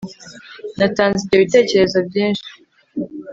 natanze ibyo bitekerezo byinshi